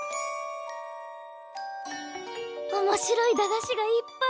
おもしろい駄菓子がいっぱい！